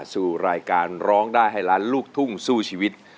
สู่รายการร้องได้ให้ล้านลูกทุ่งสู้ชีวิต